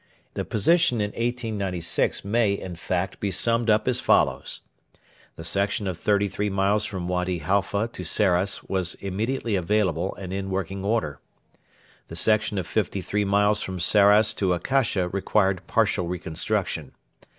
The position in 1896 may, in fact, be summed up as follows: The section of thirty three miles from Wady Halfa to Sarras was immediately available and in working order. The section of fifty three miles from Sarras to Akasha required partial reconstruction.